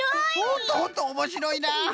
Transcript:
ほんとほんとおもしろいな。